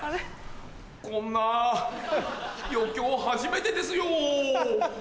こんな余興初めてですよ。